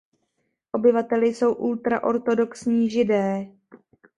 Obyvateli jsou ultraortodoxní Židé.